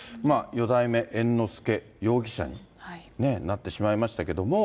四代目猿之助容疑者に、なってしまいましたけども。